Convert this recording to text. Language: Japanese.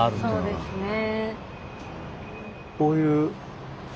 そうですね。